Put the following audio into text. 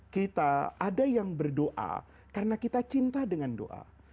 kita ada yang berdoa karena kita cinta dengan doa